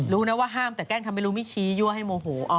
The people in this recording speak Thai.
รู้นะว่าห้ามแต่แกล้งทำไม่รู้ไม่ชี้ยั่วให้โมโห